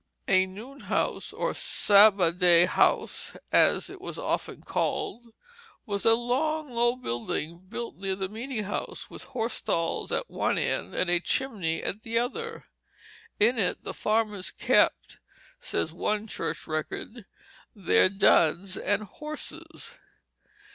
A noon house or "Sabba day house," as it was often called, was a long low building built near the meeting house, with horse stalls at one end and a chimney at the other. In it the farmers kept, says one church record, "their duds and horses."